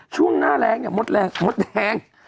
ช่วงหน้าแรกเนี่ยมดแรง